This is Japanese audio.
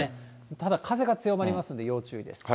ただ、風が強まりますので要注意です。